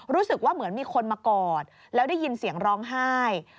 รู้สึกว่าเหมือนมีคนมากอดแล้วได้ยินเสียงร้องไห้